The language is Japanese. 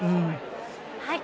はい。